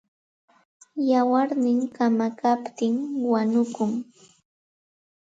Wayarnin kamakaptin wanukun.